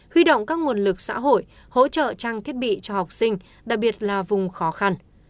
huy động các nguồn lực xã hội hỗ trợ trang thiết bị cho học sinh đặc biệt là vùng khó khăn